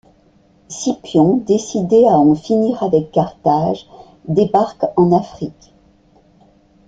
Scipion, décidé à en finir avec Carthage, débarque en Afrique.